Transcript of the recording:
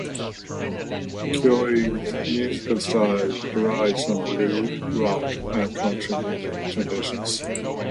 Coe's musical style derives from blues, rock and country music traditions.